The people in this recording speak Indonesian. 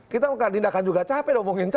kita kan tindakan juga capek omongin